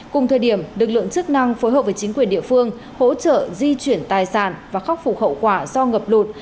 cùng thời điểm lực lượng chức năng phối hợp với chính quyền địa phương hỗ trợ di chuyển tài sản và khắc phục hậu quả do ngập lụt